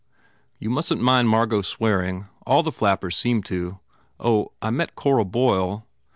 ... You mustn t mind Margot swearing. All the flappers seem to. Oh, I met Cora Boyle."